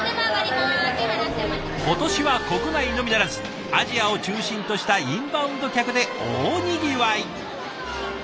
今年は国内のみならずアジアを中心としたインバウンド客で大にぎわい！